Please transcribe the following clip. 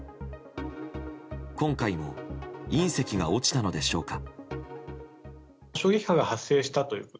今回も隕石が落ちたのでしょうか。